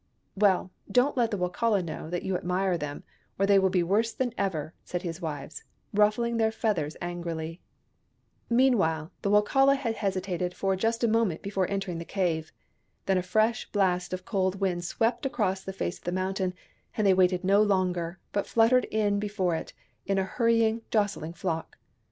" Well, don't let the Wokala know that you admire them, or they will be worse than ever," said his wives, ruffling their feathers angrily. THE BURNING OF THE CROWS 205 Meanwhile, the Wokala had hesitated just for a moment before entering the cave. Then a fresh blast of cold wind swept across the face of the mountain, and they waited no longer, but fluttered in before it, in a hurrying, jostling flock.